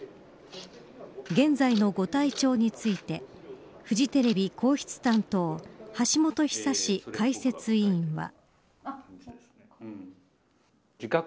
現在のご体調についてフジテレビ皇室担当橋本寿史解説委員は。